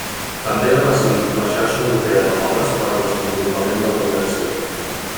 També ha presidit la Xarxa Europea de Dones per al Desenvolupament de la Direcció.